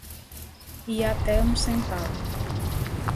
E até um centavo.